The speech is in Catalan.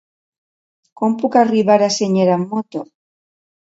Com puc arribar a Senyera amb moto?